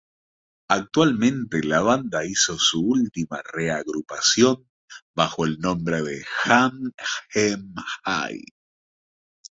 Actualmente, la banda hizo su última reagrupación bajo el nombre de Hang 'Em High.